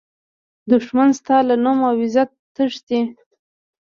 دښمن ستا له نوم او عزته تښتي